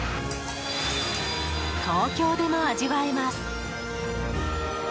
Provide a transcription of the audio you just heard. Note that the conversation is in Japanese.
東京でも味わえます！